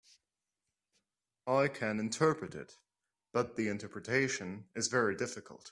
I can interpret it, but the interpretation is very difficult.